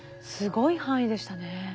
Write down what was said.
すごい範囲でしたね。